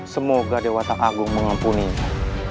semoga dewata agung mengampuninya